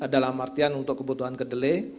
dalam artian untuk kebutuhan kedelai